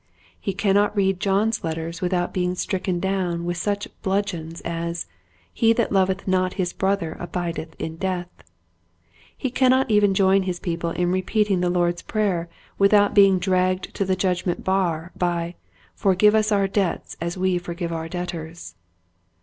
He cannot read John's letters without being stricken down with such bludgeons as " He that loveth not his brother abideth in death!" He cannot even join his people in repeating the Lord's prayer without being dragged to the judgment bar by "Forgive us our debts as we forgive our debtors."